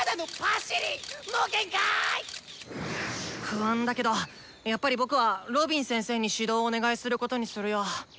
不安だけどやっぱり僕はロビン先生に指導をお願いすることにするよ。